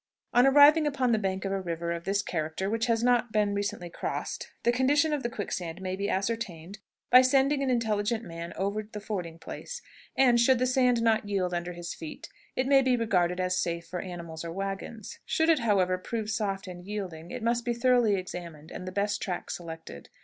On arriving upon the bank of a river of this character which has not recently been crossed, the condition of the quicksand may be ascertained by sending an intelligent man over the fording place, and, should the sand not yield under his feet, it may be regarded as safe for animals or wagons. Should it, however, prove soft and yielding, it must be thoroughly examined, and the best track selected.